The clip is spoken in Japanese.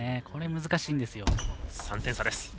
これは難しいんですよ。